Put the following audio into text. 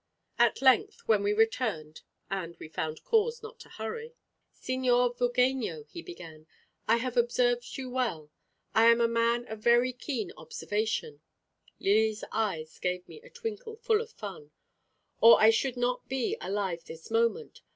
At length when we returned, and we found cause not to hurry, "Signor Vogheno," he began, "I have observed you well. I am a man of very keen observation" Lily's eyes gave me a twinkle full of fun "or I should not be alive this moment.